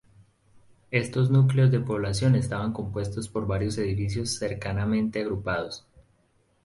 Estos núcleos de población estaban compuestos por varios edificios cercanamente agrupados.